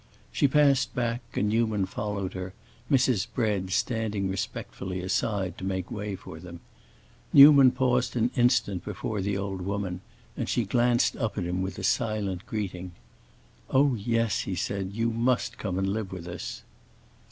She passed back and Newman followed her, Mrs. Bread standing respectfully aside to make way for them. Newman paused an instant before the old woman, and she glanced up at him with a silent greeting. "Oh, yes," he said, "you must come and live with us."